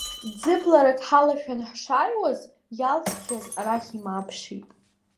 Ӡыбларак ҳалашәан ҳшааиуаз, иалҵхьаз арахь имааԥшит.